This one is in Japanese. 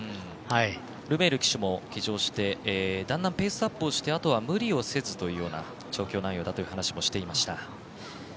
ルメール騎手も騎乗してだんだんペースアップをしてあとは無理をせずというような調教内容だという話もしていました。